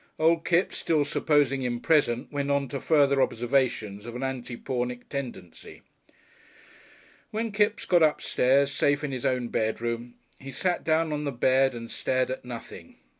Old Kipps, still supposing him present, went on to further observations of an anti Pornick hue.... When Kipps got upstairs safe in his own bedroom, he sat down on the bed and stared at nothing.